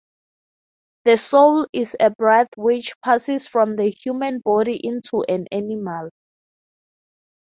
The soul is a breath which passes from the human body into an animal.